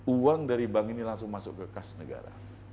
uang dari bank ini langsung masuk ke kas negara